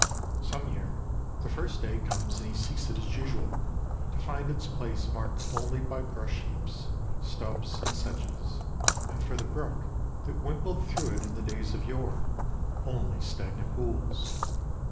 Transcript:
Some year the first day comes and he seeks it as usual, to find its place marked only by brush heaps, stubs, and sedges; and for the brook that wimpled through it in the days of yore, only stagnant pools.